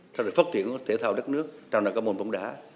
trong đó phát triển thể thao đất nước trong đó có môn bóng đá